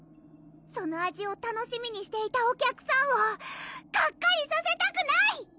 その味を楽しみにしていたお客さんをがっかりさせたくない！